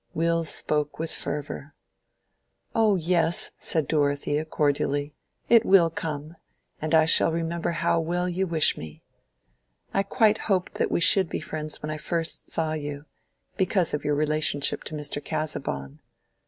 Will spoke with fervor. "Oh yes," said Dorothea, cordially. "It will come; and I shall remember how well you wish me. I quite hoped that we should be friends when I first saw you—because of your relationship to Mr. Casaubon."